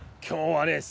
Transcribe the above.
今日はね